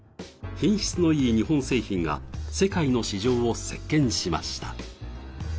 品質のいい日本製品が世界の市場を席巻しました。